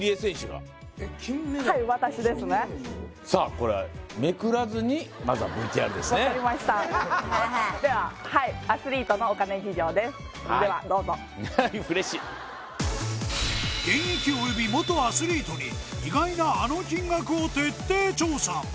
はい私ですねさあこれ分かりましたではアスリートのお金事情ですではどうぞ現役および元アスリートに意外なあの金額を徹底調査